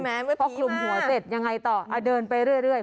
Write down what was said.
เพราะพอคลุมหัวเสร็จยังไงต่อเดินไปเรื่อย